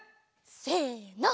せの。